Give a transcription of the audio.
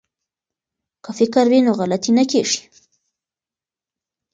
که فکر وي نو غلطي نه کیږي.